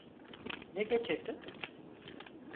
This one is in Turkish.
Ne getirdin?